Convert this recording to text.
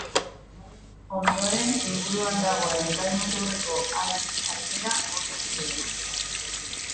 Ondoren, inguruan dagoen kai-muturreko haitz artera bota zuen.